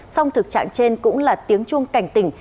song thực trạng trên cũng là tiếng chuông cảnh tỉnh